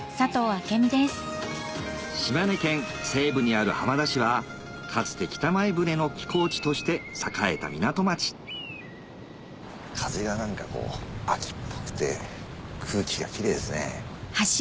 島根県西部にある浜田市はかつて北前船の寄港地として栄えた港町風が何か秋っぽくて空気がキレイですね。